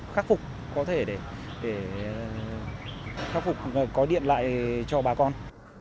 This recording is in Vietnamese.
khắc phục có thể để khắc phục có điện lại cho bà con